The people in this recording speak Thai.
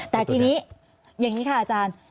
แต่ทีนี้อย่างนี้ค่ะอาจารย์